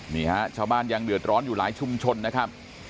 นี่ฮะชาวบ้านยังเดือดร้อนอยู่หลายชุมชนนะครับ